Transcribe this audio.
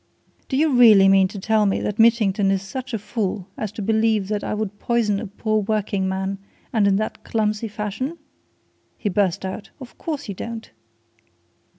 "Do you really mean to tell me that Mitchington is such a fool as to believe that I would poison a poor working man and in that clumsy fashion?" he burst out. "Of course you don't."